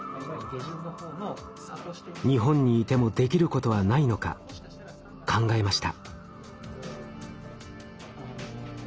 日本にいてもできることはないのか考えました。